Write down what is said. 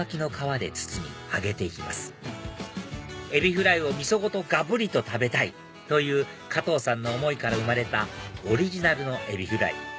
フライをみそごとがぶりと食べたい！という加藤さんの思いから生まれたオリジナルのえびフライ